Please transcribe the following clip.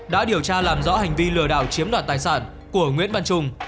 đã điều tra làm rõ hành vi lừa đảo chiếm đoạt tài sản của nguyễn văn trung